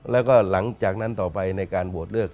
แล้วก็หลังจากนั้นต่อไปในการโหวตเลือก